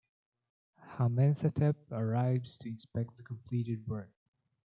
Hamenthotep arrives to inspect the completed work.